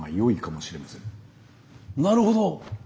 なるほど！